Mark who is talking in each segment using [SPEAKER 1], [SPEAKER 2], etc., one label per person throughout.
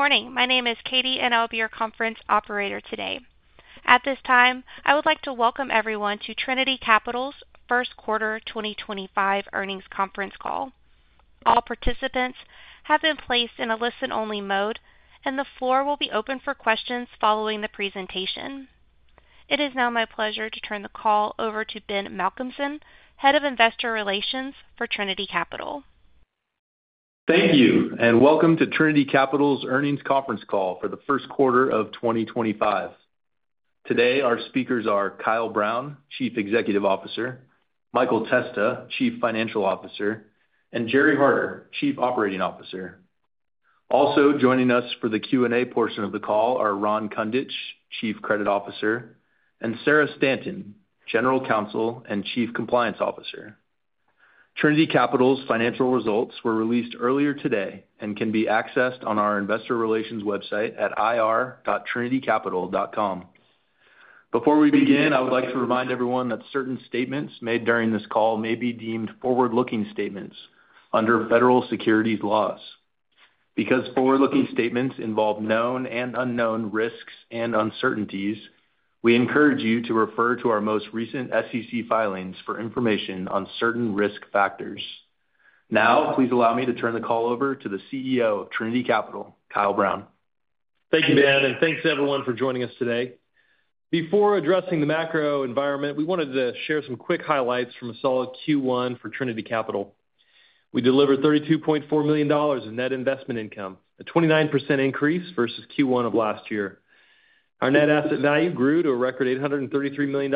[SPEAKER 1] Good morning. My name is Katie, and I'll be your conference operator today. At this time, I would like to welcome everyone to Trinity Capital's first quarter 2025 earnings conference call. All participants have been placed in a listen-only mode, and the floor will be open for questions following the presentation. It is now my pleasure to turn the call over to Ben Malcolmson, Head of Investor Relations for Trinity Capital.
[SPEAKER 2] Thank you, and welcome to Trinity Capital's earnings conference call for the first quarter of 2025. Today, our speakers are Kyle Brown, Chief Executive Officer, Michael Testa, Chief Financial Officer, and Gerry Harder, Chief Operating Officer. Also joining us for the Q&A portion of the call are Ron Kundich, Chief Credit Officer, and Sarah Stanton, General Counsel and Chief Compliance Officer. Trinity Capital's financial results were released earlier today and can be accessed on our investor relations website at ir.trinitycapital.com. Before we begin, I would like to remind everyone that certain statements made during this call may be deemed forward-looking statements under federal securities laws. Because forward-looking statements involve known and unknown risks and uncertainties, we encourage you to refer to our most recent SEC filings for information on certain risk factors. Now, please allow me to turn the call over to the CEO of Trinity Capital, Kyle Brown.
[SPEAKER 3] Thank you, Ben, and thanks to everyone for joining us today. Before addressing the macro environment, we wanted to share some quick highlights from a solid Q1 for Trinity Capital. We delivered $32.4 million in net investment income, a 29% increase versus Q1 of last year. Our net asset value grew to a record $833 million.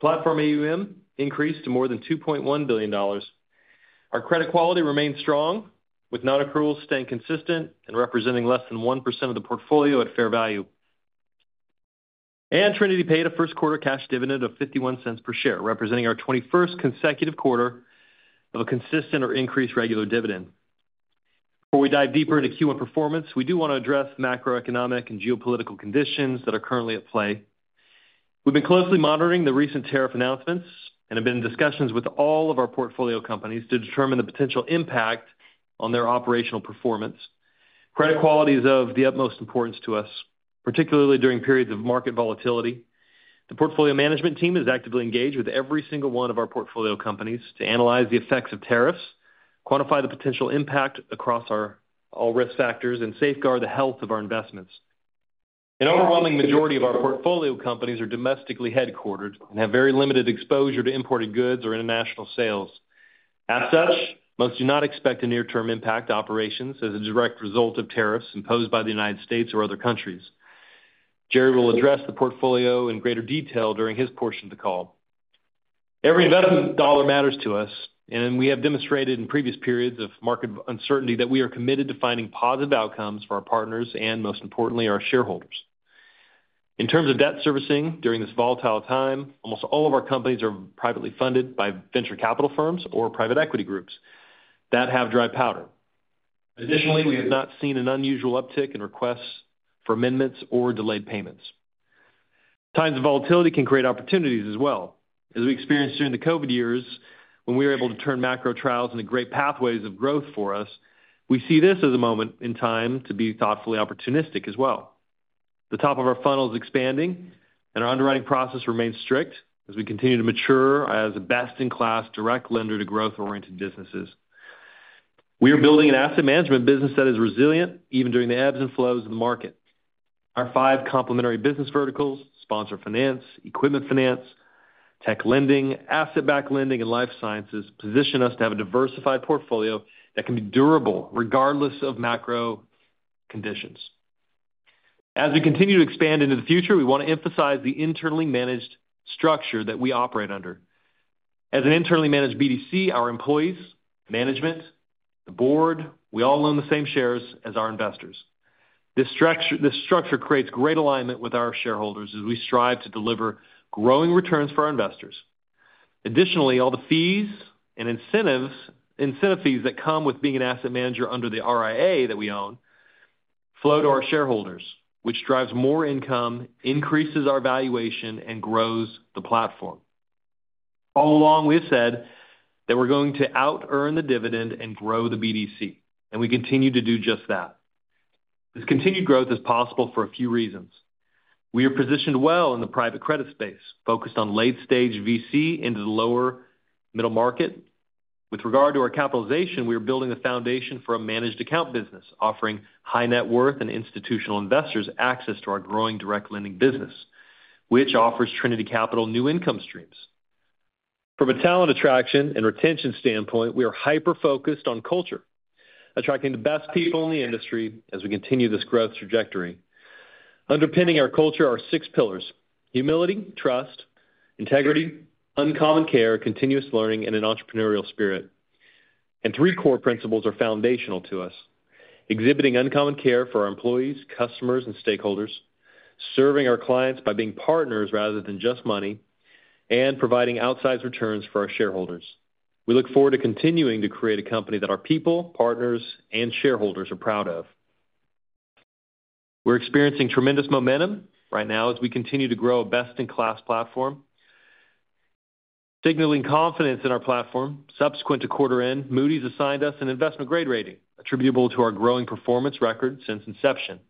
[SPEAKER 3] Platform AUM increased to more than $2.1 billion. Our credit quality remained strong, with non-accruals staying consistent and representing less than 1% of the portfolio at fair value. Trinity paid a first quarter cash dividend of $0.51 per share, representing our 21st consecutive quarter of a consistent or increased regular dividend. Before we dive deeper into Q1 performance, we do want to address macroeconomic and geopolitical conditions that are currently at play. We've been closely monitoring the recent tariff announcements and have been in discussions with all of our portfolio companies to determine the potential impact on their operational performance. Credit quality is of the utmost importance to us, particularly during periods of market volatility. The portfolio management team is actively engaged with every single one of our portfolio companies to analyze the effects of tariffs, quantify the potential impact across all risk factors, and safeguard the health of our investments. An overwhelming majority of our portfolio companies are domestically headquartered and have very limited exposure to imported goods or international sales. As such, most do not expect a near-term impact to operations as a direct result of tariffs imposed by the U.S. or other countries. Gerry will address the portfolio in greater detail during his portion of the call. Every investment dollar matters to us, and we have demonstrated in previous periods of market uncertainty that we are committed to finding positive outcomes for our partners and, most importantly, our shareholders. In terms of debt servicing, during this volatile time, almost all of our companies are privately funded by venture capital firms or private equity groups that have dry powder. Additionally, we have not seen an unusual uptick in requests for amendments or delayed payments. Times of volatility can create opportunities as well. As we experienced during the COVID years when we were able to turn macro trials into great pathways of growth for us, we see this as a moment in time to be thoughtfully opportunistic as well. The top of our funnel is expanding, and our underwriting process remains strict as we continue to mature as a best-in-class direct lender to growth-oriented businesses. We are building an asset management business that is resilient even during the ebbs and flows of the market. Our five complementary business verticals—sponsor finance, equipment finance, tech lending, asset-backed lending, and life sciences—position us to have a diversified portfolio that can be durable regardless of macro conditions. As we continue to expand into the future, we want to emphasize the internally managed structure that we operate under. As an internally managed BDC, our employees, management, the board, we all own the same shares as our investors. This structure creates great alignment with our shareholders as we strive to deliver growing returns for our investors. Additionally, all the fees and incentive fees that come with being an asset manager under the RIA that we own flow to our shareholders, which drives more income, increases our valuation, and grows the platform. All along, we have said that we're going to out-earn the dividend and grow the BDC, and we continue to do just that. This continued growth is possible for a few reasons. We are positioned well in the private credit space, focused on late-stage VC into the lower-middle market. With regard to our capitalization, we are building the foundation for a managed account business, offering high-net worth and institutional investors access to our growing direct lending business, which offers Trinity Capital new income streams. From a talent attraction and retention standpoint, we are hyper-focused on culture, attracting the best people in the industry as we continue this growth trajectory. Underpinning our culture are six pillars: humility, trust, integrity, uncommon care, continuous learning, and an entrepreneurial spirit. Three core principles are foundational to us: exhibiting uncommon care for our employees, customers, and stakeholders; serving our clients by being partners rather than just money; and providing outsized returns for our shareholders. We look forward to continuing to create a company that our people, partners, and shareholders are proud of. We are experiencing tremendous momentum right now as we continue to grow a best-in-class platform. Signaling confidence in our platform, subsequent to quarter-end, Moody's assigned us an investment-grade rating attributable to our growing performance record since inception,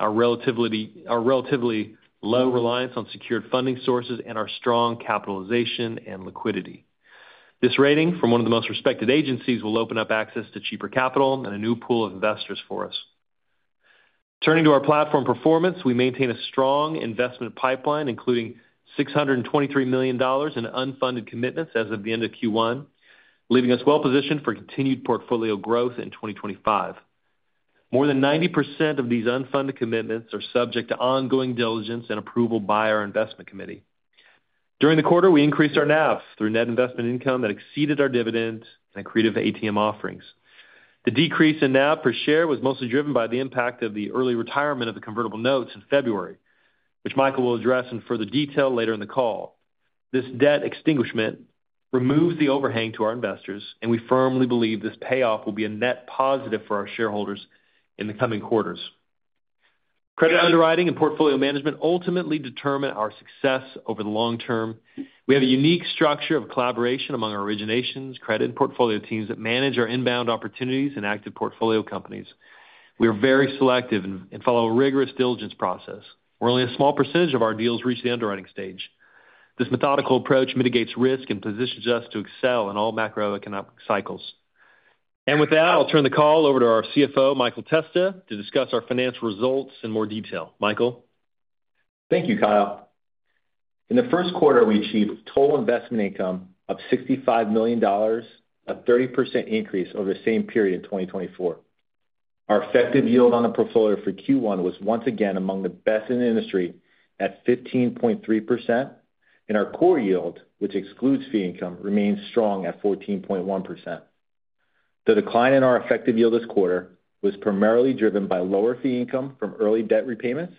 [SPEAKER 3] our relatively low reliance on secured funding sources, and our strong capitalization and liquidity. This rating from one of the most respected agencies will open up access to cheaper capital and a new pool of investors for us. Turning to our platform performance, we maintain a strong investment pipeline, including $623 million in unfunded commitments as of the end of Q1, leaving us well-positioned for continued portfolio growth in 2025. More than 90% of these unfunded commitments are subject to ongoing diligence and approval by our investment committee. During the quarter, we increased our NAV through net investment income that exceeded our dividend and accretive ATM offerings. The decrease in NAV per share was mostly driven by the impact of the early retirement of the convertible notes in February, which Michael will address in further detail later in the call. This debt extinguishment removes the overhang to our investors, and we firmly believe this payoff will be a net positive for our shareholders in the coming quarters. Credit underwriting and portfolio management ultimately determine our success over the long term. We have a unique structure of collaboration among our originations, credit, and portfolio teams that manage our inbound opportunities and active portfolio companies. We are very selective and follow a rigorous diligence process, where only a small percentage of our deals reach the underwriting stage. This methodical approach mitigates risk and positions us to excel in all macroeconomic cycles. With that, I'll turn the call over to our CFO, Michael Testa, to discuss our financial results in more detail. Michael.
[SPEAKER 4] Thank you, Kyle. In the first quarter, we achieved total investment income of $65 million, a 30% increase over the same period in 2024. Our effective yield on the portfolio for Q1 was once again among the best in the industry at 15.3%, and our core yield, which excludes fee income, remains strong at 14.1%. The decline in our effective yield this quarter was primarily driven by lower fee income from early debt repayments,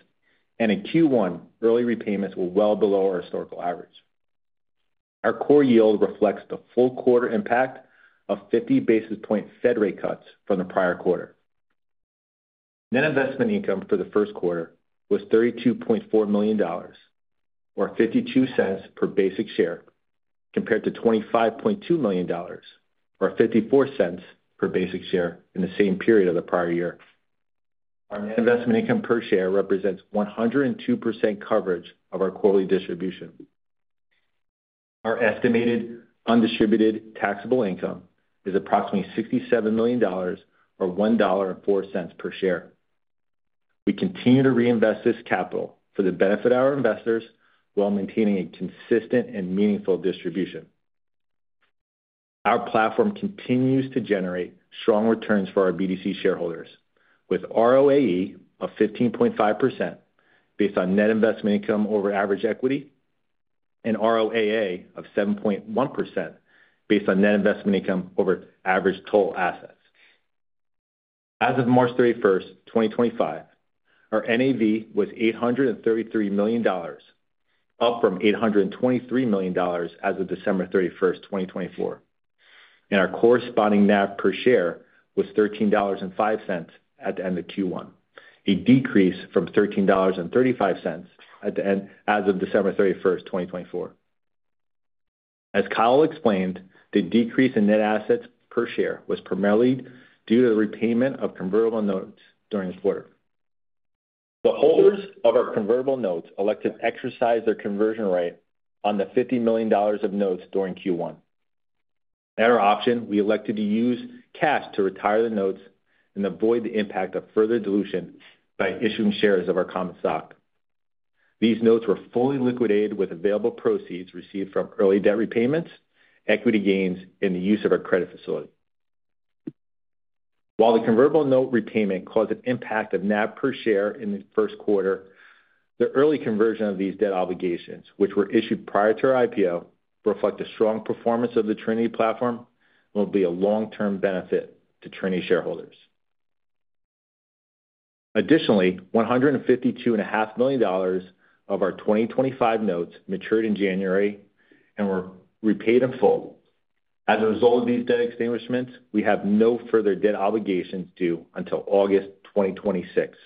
[SPEAKER 4] and in Q1, early repayments were well below our historical average. Our core yield reflects the full quarter impact of 50 basis point Fed rate cuts from the prior quarter. Net investment income for the first quarter was $32.4 million, or $0.52 per basic share, compared to $25.2 million, or $0.54 per basic share in the same period of the prior year. Our net investment income per share represents 102% coverage of our quarterly distribution. Our estimated undistributed taxable income is approximately $67 million, or $1.04 per share. We continue to reinvest this capital for the benefit of our investors while maintaining a consistent and meaningful distribution. Our platform continues to generate strong returns for our BDC shareholders, with ROAE of 15.5% based on net investment income over average equity and ROAA of 7.1% based on net investment income over average total assets. As of March 31, 2025, our NAV was $833 million, up from $823 million as of December 31, 2024. Our corresponding NAV per share was $13.05 at the end of Q1, a decrease from $13.35 at the end as of December 31, 2024. As Kyle explained, the decrease in net assets per share was primarily due to the repayment of convertible notes during this quarter. The holders of our convertible notes elected to exercise their conversion rate on the $50 million of notes during Q1. At our option, we elected to use cash to retire the notes and avoid the impact of further dilution by issuing shares of our common stock. These notes were fully liquidated with available proceeds received from early debt repayments, equity gains, and the use of our credit facility. While the convertible note repayment caused an impact on NAV per share in the first quarter, the early conversion of these debt obligations, which were issued prior to our IPO, reflects a strong performance of the Trinity platform and will be a long-term benefit to Trinity shareholders. Additionally, $152.5 million of our 2025 notes matured in January and were repaid in full. As a result of these debt extinguishments, we have no further debt obligations due until August 2026.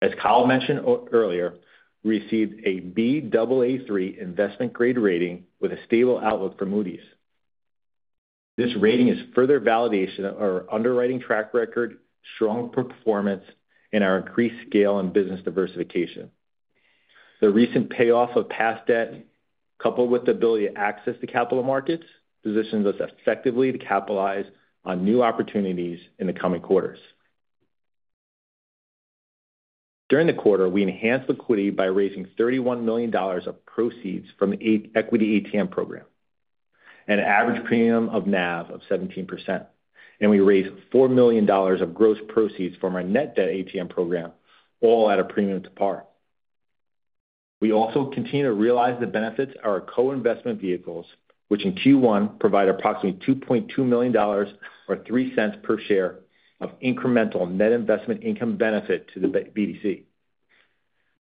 [SPEAKER 4] As Kyle mentioned earlier, we received a Baa3 investment-grade rating with a stable outlook from Moody's. This rating is further validation of our underwriting track record, strong performance, and our increased scale in business diversification. The recent payoff of past debt, coupled with the ability to access the capital markets, positions us effectively to capitalize on new opportunities in the coming quarters. During the quarter, we enhanced liquidity by raising $31 million of proceeds from the equity ATM program, at an average premium to NAV of 17%, and we raised $4 million of gross proceeds from our net debt ATM program, all at a premium to par. We also continue to realize the benefits of our co-investment vehicles, which in Q1 provided approximately $2.2 million, or $0.03 per share, of incremental net investment income benefit to the BDC.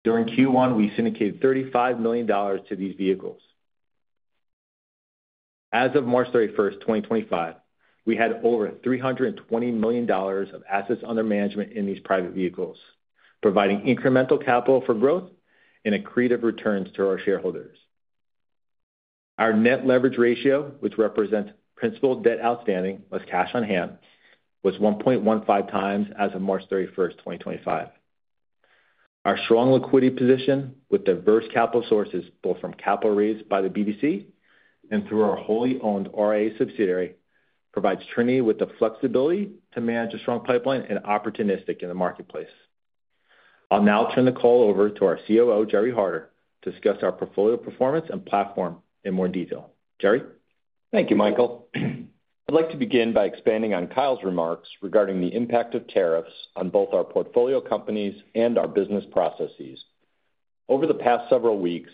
[SPEAKER 4] During Q1, we syndicated $35 million to these vehicles. As of March 31, 2025, we had over $320 million of assets under management in these private vehicles, providing incremental capital for growth and accretive returns to our shareholders. Our net leverage ratio, which represents principal debt outstanding plus cash on hand, was 1.15x as of March 31, 2025. Our strong liquidity position with diverse capital sources, both from capital raised by the BDC and through our wholly owned RIA subsidiary, provides Trinity with the flexibility to manage a strong pipeline and be opportunistic in the marketplace. I'll now turn the call over to our COO, Gerry Harder, to discuss our portfolio performance and platform in more detail. Gerry?
[SPEAKER 5] Thank you, Michael. I'd like to begin by expanding on Kyle's remarks regarding the impact of tariffs on both our portfolio companies and our business processes. Over the past several weeks,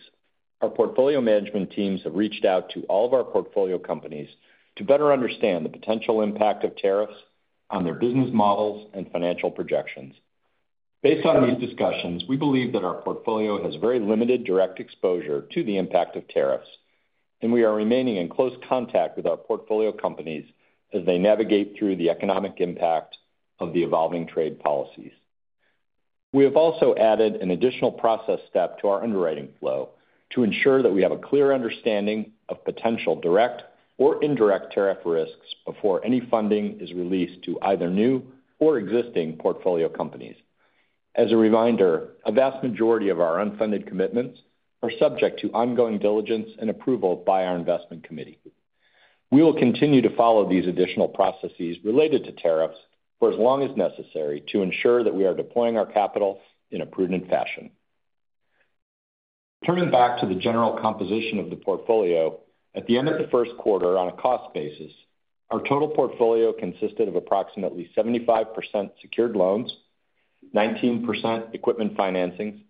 [SPEAKER 5] our portfolio management teams have reached out to all of our portfolio companies to better understand the potential impact of tariffs on their business models and financial projections. Based on these discussions, we believe that our portfolio has very limited direct exposure to the impact of tariffs, and we are remaining in close contact with our portfolio companies as they navigate through the economic impact of the evolving trade policies. We have also added an additional process step to our underwriting flow to ensure that we have a clear understanding of potential direct or indirect tariff risks before any funding is released to either new or existing portfolio companies. As a reminder, a vast majority of our unfunded commitments are subject to ongoing diligence and approval by our investment committee. We will continue to follow these additional processes related to tariffs for as long as necessary to ensure that we are deploying our capital in a prudent fashion. Turning back to the general composition of the portfolio, at the end of the first quarter, on a cost basis, our total portfolio consisted of approximately 75% secured loans, 19% equipment financings,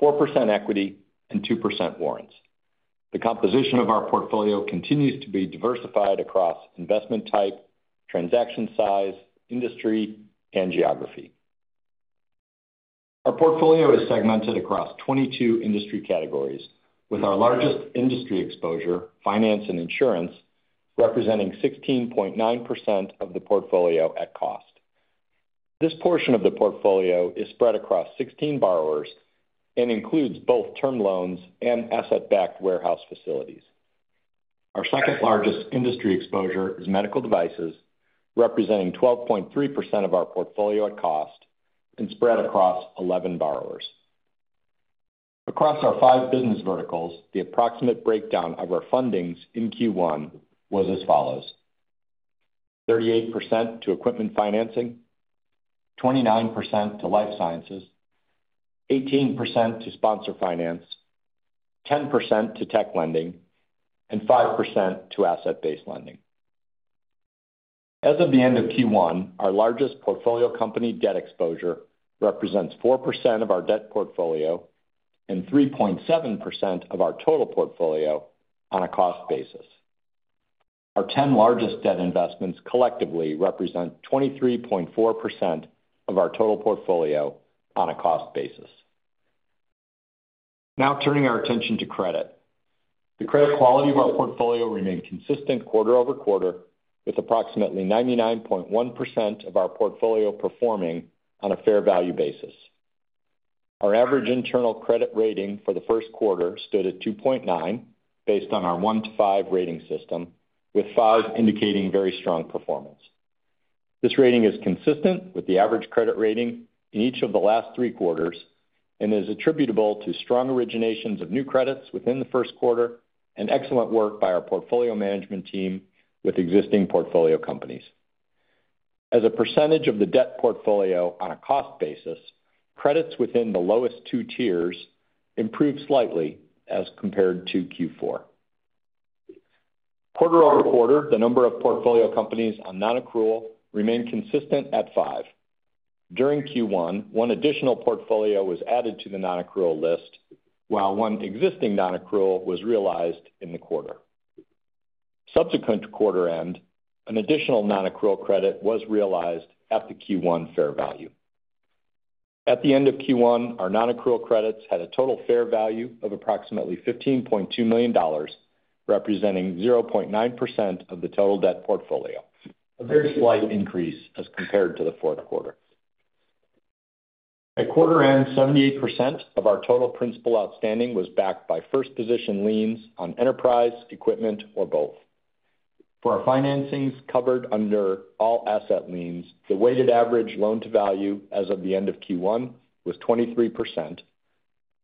[SPEAKER 5] 4% equity, and 2% warrants. The composition of our portfolio continues to be diversified across investment type, transaction size, industry, and geography. Our portfolio is segmented across 22 industry categories, with our largest industry exposure, finance and insurance, representing 16.9% of the portfolio at cost. This portion of the portfolio is spread across 16 borrowers and includes both term loans and asset-backed warehouse facilities. Our second largest industry exposure is medical devices, representing 12.3% of our portfolio at cost and spread across 11 borrowers. Across our five business verticals, the approximate breakdown of our fundings in Q1 was as follows: 38% to equipment financing, 29% to life sciences, 18% to sponsor finance, 10% to tech lending, and 5% to asset-backed lending. As of the end of Q1, our largest portfolio company debt exposure represents 4% of our debt portfolio and 3.7% of our total portfolio on a cost basis. Our 10 largest debt investments collectively represent 23.4% of our total portfolio on a cost basis. Now turning our attention to credit. The credit quality of our portfolio remained consistent quarter over quarter, with approximately 99.1% of our portfolio performing on a fair value basis. Our average internal credit rating for the first quarter stood at 2.9 based on our one-five rating rating system, with five indicating very strong performance. This rating is consistent with the average credit rating in each of the last three quarters and is attributable to strong originations of new credits within the first quarter and excellent work by our portfolio management team with existing portfolio companies. As a percentage of the debt portfolio on a cost basis, credits within the lowest two tiers improved slightly as compared to Q4. Quarter over quarter, the number of portfolio companies on non-accrual remained consistent at five. During Q1, one additional portfolio was added to the non-accrual list, while one existing non-accrual was realized in the quarter. Subsequent to quarter end, an additional non-accrual credit was realized at the Q1 fair value. At the end of Q1, our non-accrual credits had a total fair value of approximately $15.2 million, representing 0.9% of the total debt portfolio, a very slight increase as compared to the fourth quarter. At quarter end, 78% of our total principal outstanding was backed by first-position liens on enterprise, equipment, or both. For our financings covered under all asset liens, the weighted average loan-to-value as of the end of Q1 was 23%,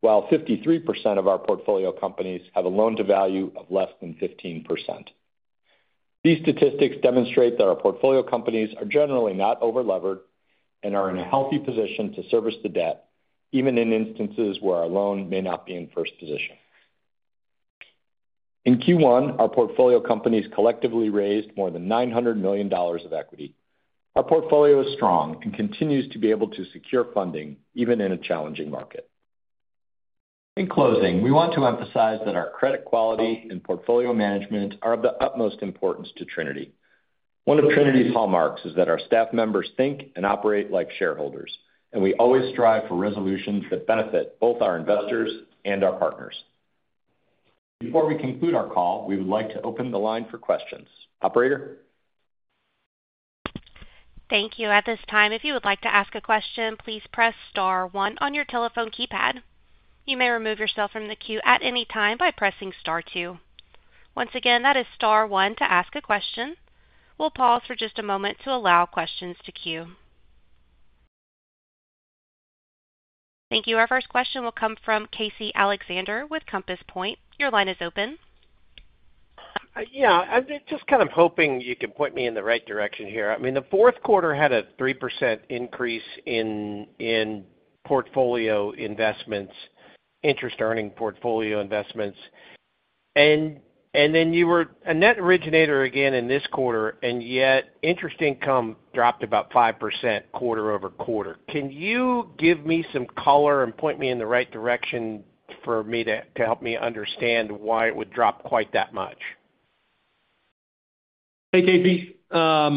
[SPEAKER 5] while 53% of our portfolio companies have a loan-to-value of less than 15%. These statistics demonstrate that our portfolio companies are generally not over-levered and are in a healthy position to service the debt, even in instances where our loan may not be in first position. In Q1, our portfolio companies collectively raised more than $900 million of equity. Our portfolio is strong and continues to be able to secure funding even in a challenging market. In closing, we want to emphasize that our credit quality and portfolio management are of the utmost importance to Trinity. One of Trinity's hallmarks is that our staff members think and operate like shareholders, and we always strive for resolutions that benefit both our investors and our partners. Before we conclude our call, we would like to open the line for questions. Operator?
[SPEAKER 1] Thank you. At this time, if you would like to ask a question, please press Star one on your telephone keypad. You may remove yourself from the queue at any time by pressing Star two. Once again, that is Star one to ask a question. We'll pause for just a moment to allow questions to queue. Thank you. Our first question will come from Casey Alexander with Compass Point. Your line is open.
[SPEAKER 6] Yeah. I'm just kind of hoping you can point me in the right direction here. I mean, the fourth quarter had a 3% increase in portfolio investments, interest-earning portfolio investments. And then you were a net originator again in this quarter, and yet interest income dropped about 5% quarter over quarter. Can you give me some color and point me in the right direction for me to help me understand why it would drop quite that much?
[SPEAKER 3] Hey, Casey. A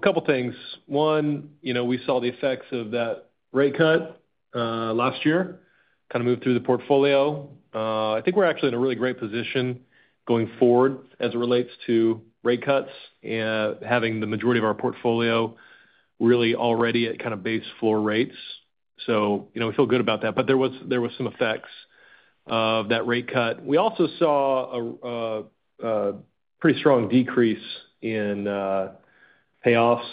[SPEAKER 3] couple of things. One, we saw the effects of that rate cut last year, kind of moved through the portfolio. I think we're actually in a really great position going forward as it relates to rate cuts and having the majority of our portfolio really already at kind of base floor rates. We feel good about that. There were some effects of that rate cut. We also saw a pretty strong decrease in payoffs,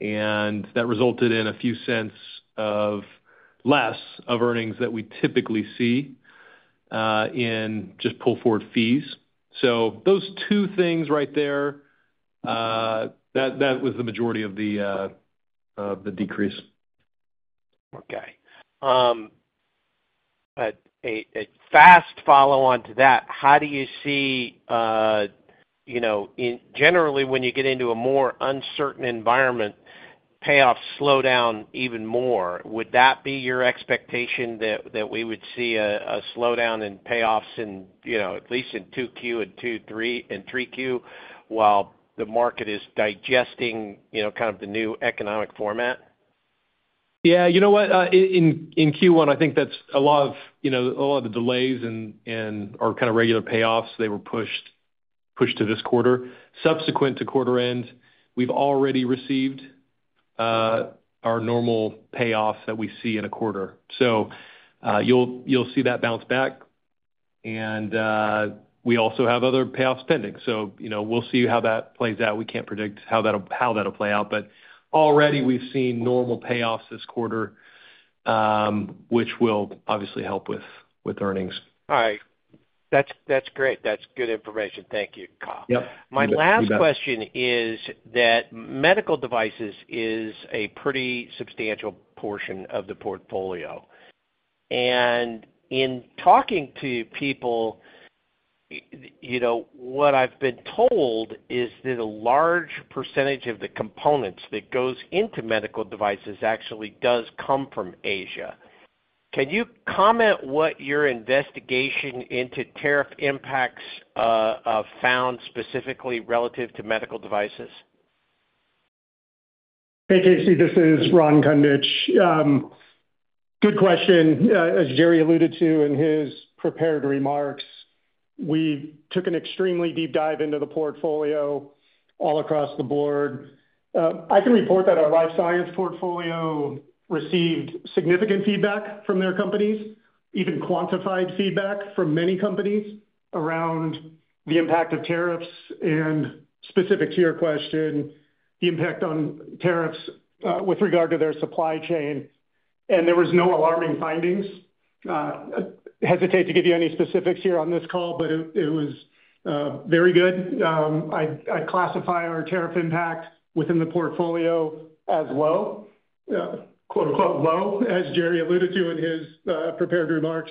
[SPEAKER 3] and that resulted in a few cents less of earnings than we typically see in just pull forward fees. Those two things right there, that was the majority of the decrease.
[SPEAKER 6] Okay. A fast follow-on to that, how do you see generally when you get into a more uncertain environment, payoffs slow down even more? Would that be your expectation that we would see a slowdown in payoffs at least in 2Q and 3Q while the market is digesting kind of the new economic format?
[SPEAKER 3] Yeah. You know what? In Q1, I think that's a lot of the delays or kind of regular payoffs, they were pushed to this quarter. Subsequent to quarter end, we've already received our normal payoffs that we see in a quarter. You will see that bounce back. We also have other payoffs pending. We cannot predict how that will play out. Already, we've seen normal payoffs this quarter, which will obviously help with earnings.
[SPEAKER 6] All right. That's great. That's good information. Thank you, Kyle.
[SPEAKER 3] Yep. Thank you.
[SPEAKER 6] My last question is that medical devices is a pretty substantial portion of the portfolio. In talking to people, what I've been told is that a large percentage of the components that goes into medical devices actually does come from Asia. Can you comment what your investigation into tariff impacts found specifically relative to medical devices?
[SPEAKER 7] Hey, Casey. This is Ron Kundich. Good question. As Gerry alluded to in his prepared remarks, we took an extremely deep dive into the portfolio all across the board. I can report that our life science portfolio received significant feedback from their companies, even quantified feedback from many companies around the impact of tariffs and, specific to your question, the impact on tariffs with regard to their supply chain. There were no alarming findings. I hesitate to give you any specifics here on this call, but it was very good. I classify our tariff impact within the portfolio as low, "low," as Gerry alluded to in his prepared remarks.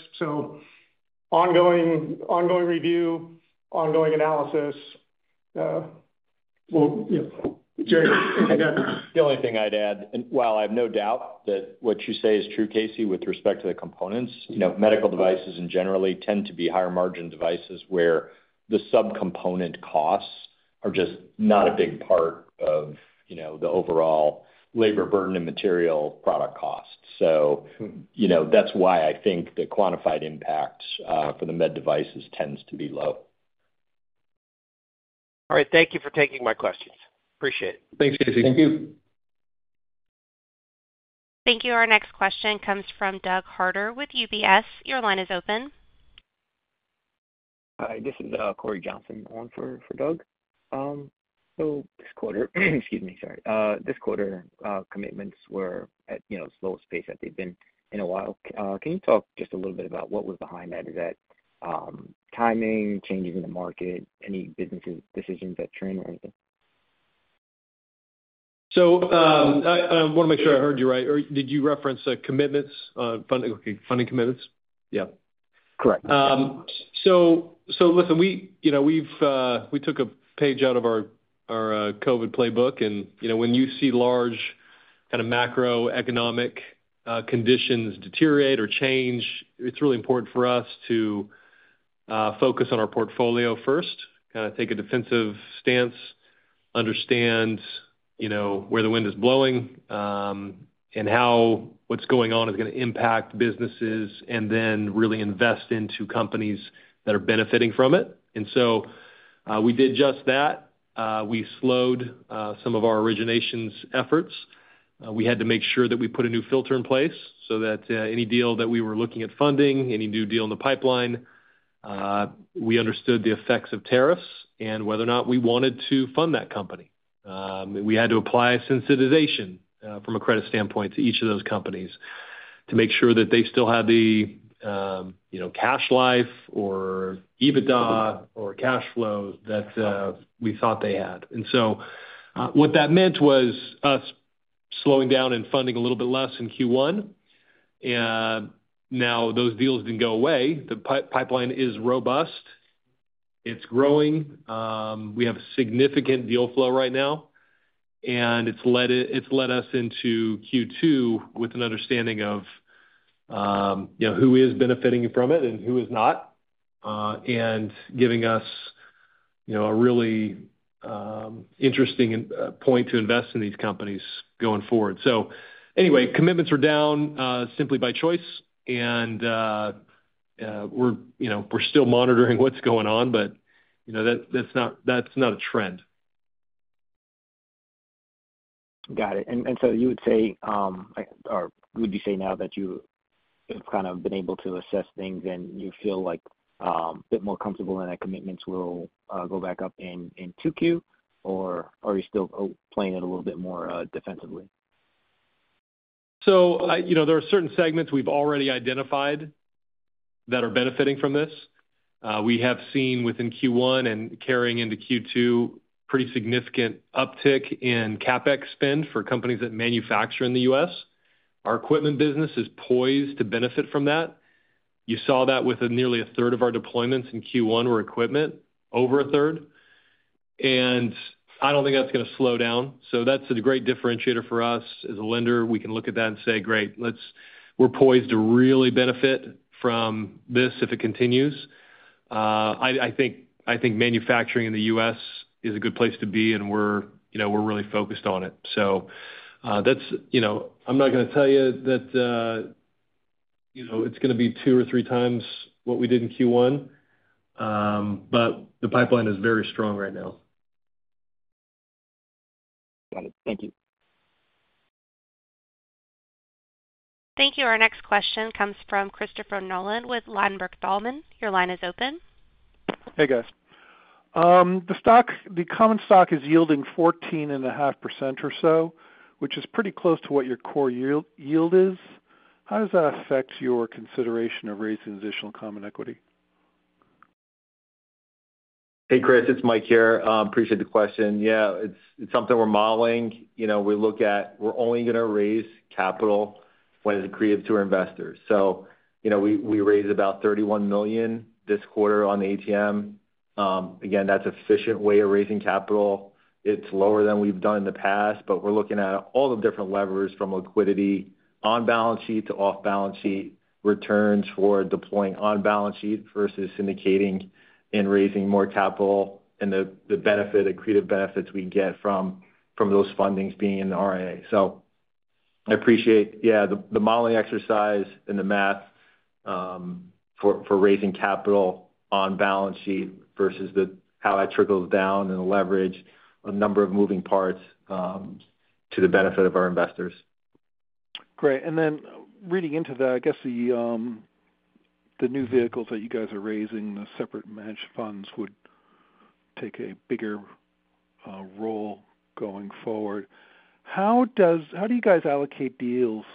[SPEAKER 7] Ongoing review, ongoing analysis. Gerry.
[SPEAKER 5] The only thing I'd add, and while I have no doubt that what you say is true, Casey, with respect to the components, medical devices generally tend to be higher margin devices where the subcomponent costs are just not a big part of the overall labor burden and material product costs. That is why I think the quantified impact for the med devices tends to be low.
[SPEAKER 6] All right. Thank you for taking my questions. Appreciate it.
[SPEAKER 3] Thanks, Casey.
[SPEAKER 5] Thank you.
[SPEAKER 1] Thank you. Our next question comes from Doug Harter with UBS. Your line is open.
[SPEAKER 8] Hi. This is Cory Johnson calling for Doug. This quarter, excuse me, sorry, this quarter, commitments were at a slowest pace that they've been in a while. Can you talk just a little bit about what was behind that? Is that timing, changes in the market, any business decisions at Trinity?
[SPEAKER 3] I want to make sure I heard you right. Did you reference commitments, funding commitments? Yeah.
[SPEAKER 8] Correct.
[SPEAKER 3] Listen, we took a page out of our COVID playbook. When you see large kind of macroeconomic conditions deteriorate or change, it's really important for us to focus on our portfolio first, kind of take a defensive stance, understand where the wind is blowing and what's going on is going to impact businesses, and then really invest into companies that are benefiting from it. We did just that. We slowed some of our originations efforts. We had to make sure that we put a new filter in place so that any deal that we were looking at funding, any new deal in the pipeline, we understood the effects of tariffs and whether or not we wanted to fund that company. We had to apply sensitization from a credit standpoint to each of those companies to make sure that they still had the cash life or EBITDA or cash flow that we thought they had. What that meant was us slowing down and funding a little bit less in Q1. Those deals did not go away. The pipeline is robust. It is growing. We have significant deal flow right now. It has led us into Q2 with an understanding of who is benefiting from it and who is not and giving us a really interesting point to invest in these companies going forward. Anyway, commitments are down simply by choice. We are still monitoring what is going on, but that is not a trend.
[SPEAKER 8] Got it. Would you say now that you've kind of been able to assess things and you feel a bit more comfortable in that commitments will go back up in 2Q, or are you still playing it a little bit more defensively?
[SPEAKER 3] There are certain segments we've already identified that are benefiting from this. We have seen within Q1 and carrying into Q2 pretty significant uptick in CapEx spend for companies that manufacture in the U.S. Our equipment business is poised to benefit from that. You saw that with nearly a third of our deployments in Q1 were equipment, over a third. I don't think that's going to slow down. That's a great differentiator for us as a lender. We can look at that and say, "Great. We're poised to really benefit from this if it continues." I think manufacturing in the U.S. is a good place to be, and we're really focused on it. I'm not going to tell you that it's going to be 2x or 3x what we did in Q1, but the pipeline is very strong right now.
[SPEAKER 8] Got it. Thank you.
[SPEAKER 1] Thank you. Our next question comes from Christopher Nolan with Ladenburg Thalmann. Your line is open.
[SPEAKER 9] Hey, guys. The common stock is yielding 14.5% or so, which is pretty close to what your core yield is. How does that affect your consideration of raising additional common equity?
[SPEAKER 4] Hey, Chris. It's Mike here. Appreciate the question. Yeah. It's something we're modeling. We look at we're only going to raise capital when it's accretive to our investors. So we raised about $31 million this quarter on the ATM. Again, that's an efficient way of raising capital. It's lower than we've done in the past, but we're looking at all the different levers from liquidity on balance sheet to off-balance sheet returns for deploying on balance sheet versus syndicating and raising more capital and the benefit, the accretive benefits we get from those fundings being in the RIA. I appreciate, yeah, the modeling exercise and the math for raising capital on balance sheet versus how that trickles down and leverage a number of moving parts to the benefit of our investors.
[SPEAKER 9] Great. And then reading into the, I guess, the new vehicles that you guys are raising, the separate managed funds would take a bigger role going forward. How do you guys allocate deals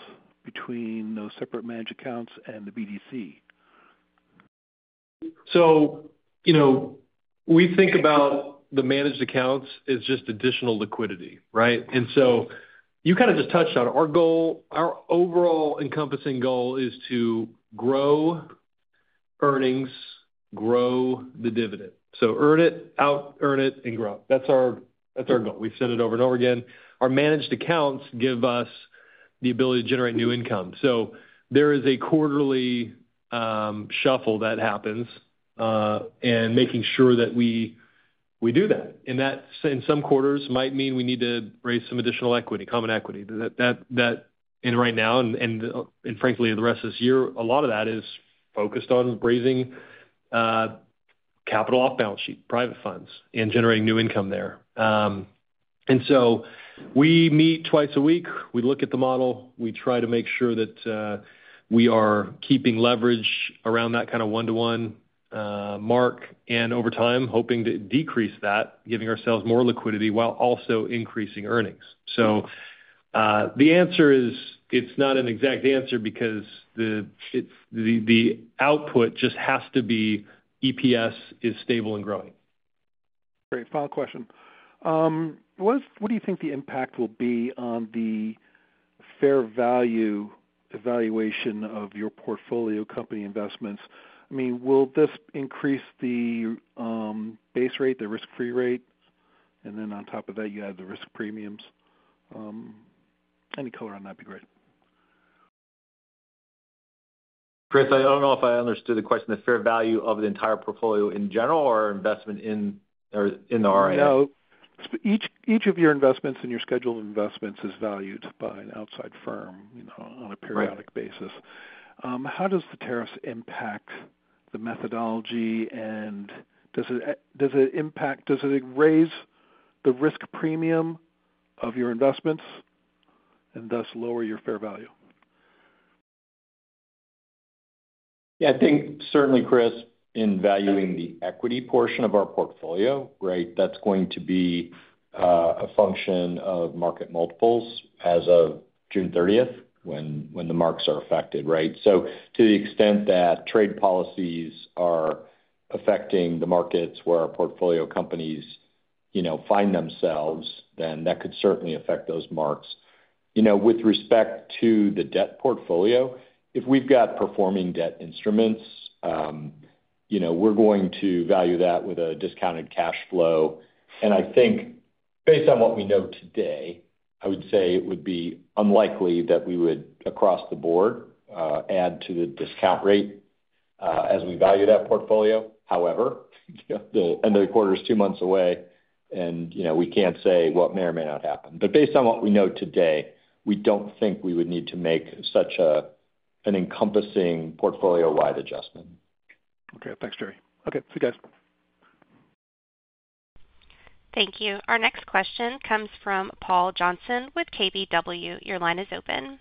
[SPEAKER 9] between those separate managed accounts and the BDC?
[SPEAKER 3] We think about the managed accounts as just additional liquidity, right? You kind of just touched on it. Our overall encompassing goal is to grow earnings, grow the dividend. Earn it, out-earn it, and grow. That is our goal. We have said it over and over again. Our managed accounts give us the ability to generate new income. There is a quarterly shuffle that happens and making sure that we do that. Some quarters might mean we need to raise some additional equity, common equity. Right now, and frankly, the rest of this year, a lot of that is focused on raising capital off-balance sheet, private funds, and generating new income there. We meet twice a week. We look at the model. We try to make sure that we are keeping leverage around that kind of one-to-one mark and over time hoping to decrease that, giving ourselves more liquidity while also increasing earnings. The answer is it's not an exact answer because the output just has to be EPS is stable and growing.
[SPEAKER 9] Great. Final question. What do you think the impact will be on the fair value evaluation of your portfolio company investments? I mean, will this increase the base rate, the risk-free rate? And then on top of that, you add the risk premiums. Any color on that would be great.
[SPEAKER 3] Chris, I do not know if I understood the question. The fair value of the entire portfolio in general or investment in the RIA?
[SPEAKER 9] No. Each of your investments and your scheduled investments is valued by an outside firm on a periodic basis. How does the tariffs impact the methodology, and does it raise the risk premium of your investments and thus lower your fair value?
[SPEAKER 5] Yeah. I think certainly, Chris, in valuing the equity portion of our portfolio, right, that's going to be a function of market multiples as of June 30 when the marks are affected, right? To the extent that trade policies are affecting the markets where our portfolio companies find themselves, that could certainly affect those marks. With respect to the debt portfolio, if we've got performing debt instruments, we're going to value that with a discounted cash flow. I think based on what we know today, I would say it would be unlikely that we would, across the board, add to the discount rate as we value that portfolio. However, another quarter is two months away, and we can't say what may or may not happen. Based on what we know today, we don't think we would need to make such an encompassing portfolio-wide adjustment.
[SPEAKER 9] Okay. Thanks, Gerry. Okay. See you guys.
[SPEAKER 1] Thank you. Our next question comes from Paul Johnson with KBW. Your line is open.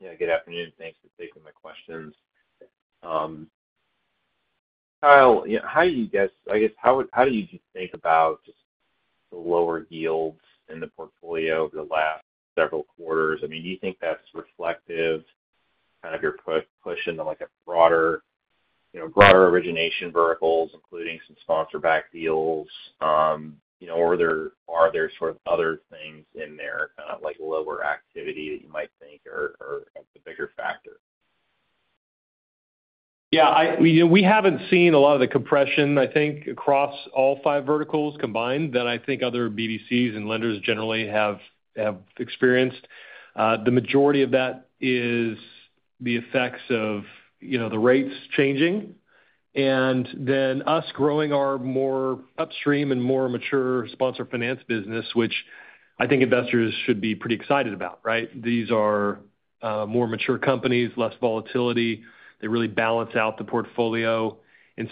[SPEAKER 10] Yeah. Good afternoon. Thanks for taking my questions. Kyle, how do you guess, I guess, how do you just think about just the lower yields in the portfolio over the last several quarters? I mean, do you think that's reflective, kind of, your push into a broader origination verticals, including some sponsor-backed deals, or are there sort of other things in there, kind of like lower activity that you might think are the bigger factor?
[SPEAKER 3] Yeah. We have not seen a lot of the compression, I think, across all five verticals combined that I think other BDCs and lenders generally have experienced. The majority of that is the effects of the rates changing. Then us growing our more upstream and more mature sponsor-finance business, which I think investors should be pretty excited about, right? These are more mature companies, less volatility. They really balance out the portfolio. It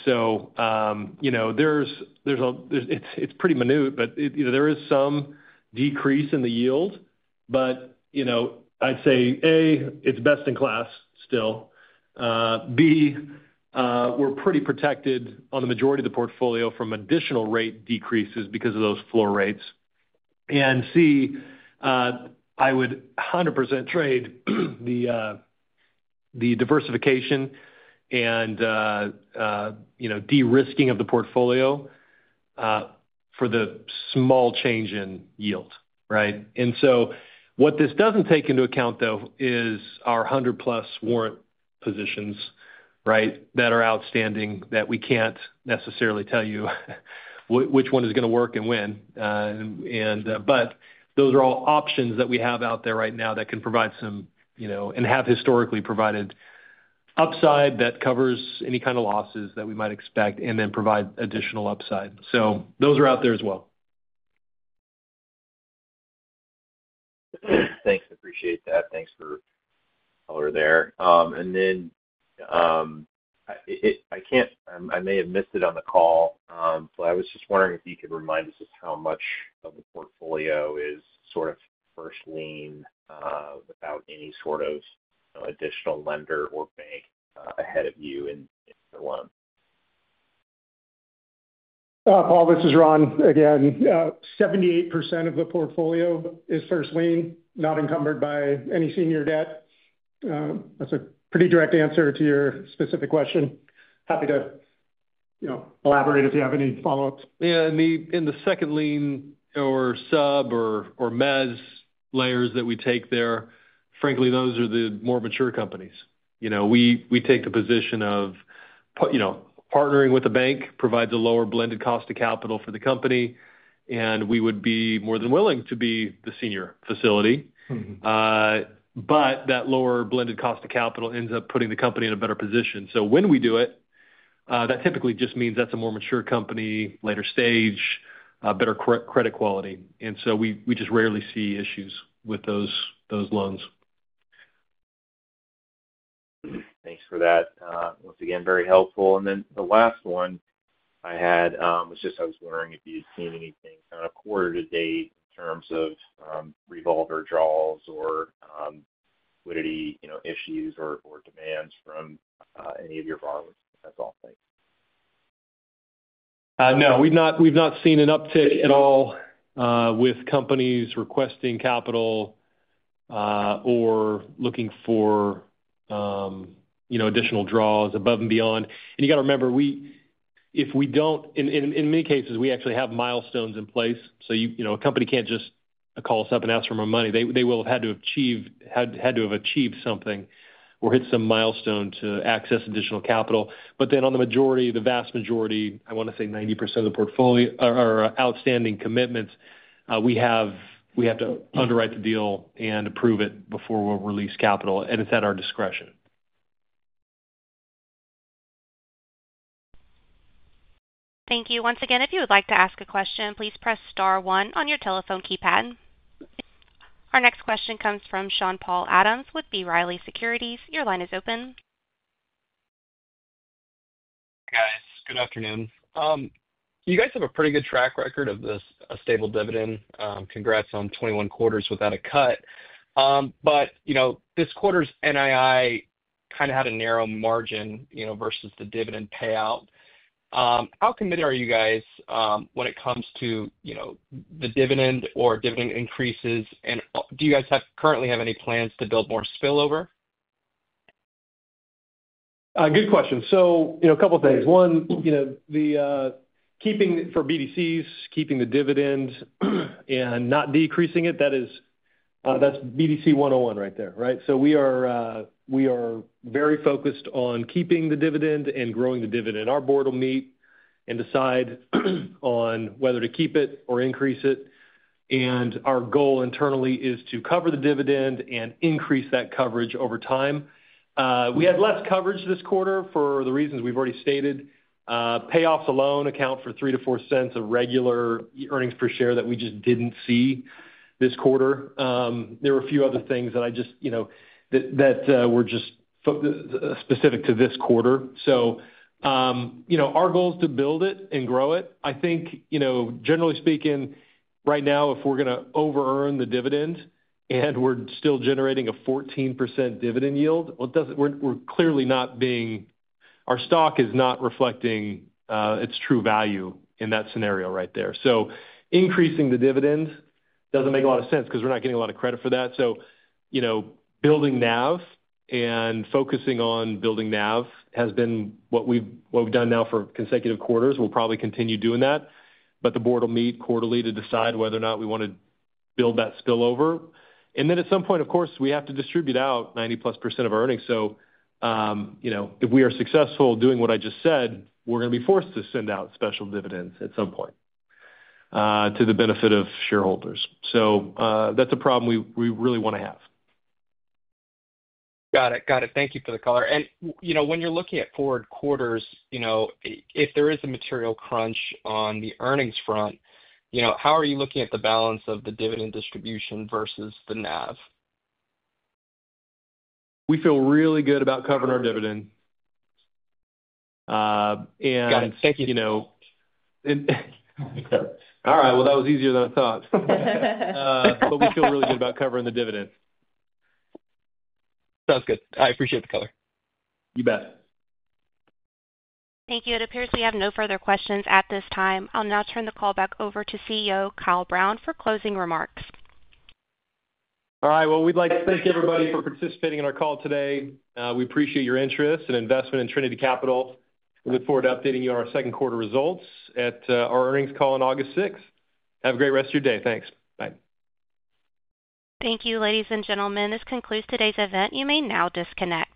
[SPEAKER 3] is pretty minute, but there is some decrease in the yield. I would say, A, it is best in class still. B, we are pretty protected on the majority of the portfolio from additional rate decreases because of those floor rates. C, I would 100% trade the diversification and de-risking of the portfolio for the small change in yield, right? What this does not take into account, though, is our 100+ warrant positions, right, that are outstanding that we cannot necessarily tell you which one is going to work and when. Those are all options that we have out there right now that can provide some and have historically provided upside that covers any kind of losses that we might expect and then provide additional upside. Those are out there as well.
[SPEAKER 10] Thanks. Appreciate that. Thanks for over there. I may have missed it on the call, but I was just wondering if you could remind us just how much of the portfolio is sort of first lien without any sort of additional lender or bank ahead of you in the loan.
[SPEAKER 7] Paul, this is Ron again. 78% of the portfolio is first lien, not encumbered by any senior debt. That's a pretty direct answer to your specific question. Happy to elaborate if you have any follow-ups.
[SPEAKER 3] Yeah. In the second lien or sub or mezz layers that we take there, frankly, those are the more mature companies. We take the position of partnering with a bank provides a lower blended cost of capital for the company, and we would be more than willing to be the senior facility. That lower blended cost of capital ends up putting the company in a better position. When we do it, that typically just means that is a more mature company, later stage, better credit quality. We just rarely see issues with those loans.
[SPEAKER 10] Thanks for that. Once again, very helpful. The last one I had was just I was wondering if you'd seen anything kind of quarter-to-date in terms of revolver draws or liquidity issues or demands from any of your borrowers. That's all. Thanks.
[SPEAKER 3] No. We've not seen an uptick at all with companies requesting capital or looking for additional draws above and beyond. You got to remember, if we do not, in many cases, we actually have milestones in place. A company cannot just call us up and ask for more money. They will have had to have achieved something or hit some milestone to access additional capital. On the majority, the vast majority, I want to say 90% of the outstanding commitments, we have to underwrite the deal and approve it before we will release capital. It is at our discretion.
[SPEAKER 1] Thank you. Once again, if you would like to ask a question, please press star one on your telephone keypad. Our next question comes from Sean-Paul Adams with B. Riley Securities. Your line is open.
[SPEAKER 11] Hi, guys. Good afternoon. You guys have a pretty good track record of a stable dividend. Congrats on 21 quarters without a cut. This quarter's NII kind of had a narrow margin versus the dividend payout. How committed are you guys when it comes to the dividend or dividend increases? Do you guys currently have any plans to build more spillover?
[SPEAKER 3] Good question. So a couple of things. One, for BDCs, keeping the dividend and not decreasing it, that's BDC 101 right there, right? We are very focused on keeping the dividend and growing the dividend. Our board will meet and decide on whether to keep it or increase it. Our goal internally is to cover the dividend and increase that coverage over time. We had less coverage this quarter for the reasons we've already stated. Payoffs alone account for $0.03-$0.04 of regular earnings per share that we just did not see this quarter. There were a few other things that were just specific to this quarter. Our goal is to build it and grow it. I think, generally speaking, right now, if we're going to over-earn the dividend and we're still generating a 14% dividend yield, we're clearly not being, our stock is not reflecting its true value in that scenario right there. Increasing the dividend doesn't make a lot of sense because we're not getting a lot of credit for that. Building NAV and focusing on building NAV has been what we've done now for consecutive quarters. We'll probably continue doing that. The board will meet quarterly to decide whether or not we want to build that spillover. At some point, of course, we have to distribute out 90%+ of our earnings. If we are successful doing what I just said, we're going to be forced to send out special dividends at some point to the benefit of shareholders. That's a problem we really want to have.
[SPEAKER 11] Got it. Got it. Thank you for the color. When you're looking at forward quarters, if there is a material crunch on the earnings front, how are you looking at the balance of the dividend distribution versus the NAV?
[SPEAKER 3] We feel really good about covering our dividend.
[SPEAKER 11] Got it. Thank you.
[SPEAKER 3] All right. That was easier than I thought. We feel really good about covering the dividend.
[SPEAKER 11] Sounds good. I appreciate the color.
[SPEAKER 3] You bet.
[SPEAKER 1] Thank you. It appears we have no further questions at this time. I'll now turn the call back over to CEO Kyle Brown for closing remarks.
[SPEAKER 3] All right. We'd like to thank everybody for participating in our call today. We appreciate your interest and investment in Trinity Capital. We look forward to updating you on our second quarter results at our earnings call on August 6. Have a great rest of your day. Thanks. Bye.
[SPEAKER 1] Thank you, ladies and gentlemen. This concludes today's event. You may now disconnect.